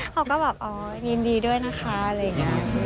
เขาก็แบบอ๋อยินดีด้วยนะคะอะไรอย่างนี้